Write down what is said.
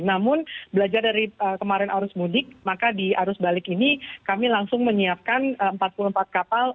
namun belajar dari kemarin arus mudik maka di arus balik ini kami langsung menyiapkan empat puluh empat kapal